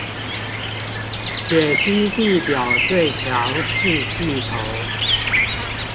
解析地表最強四巨頭